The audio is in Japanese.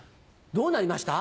どうなりました？